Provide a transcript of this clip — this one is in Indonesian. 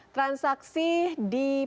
transaksi di pameran indonesia